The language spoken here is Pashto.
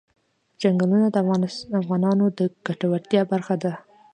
چنګلونه د افغانانو د ګټورتیا برخه ده.